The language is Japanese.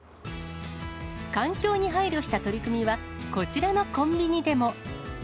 環境に配慮した取り組みは、こちらのコンビニでも。